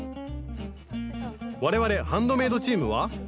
我々ハンドメイドチームは？